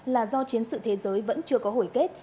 là do chiến sự thế giới vẫn chưa có hồi kết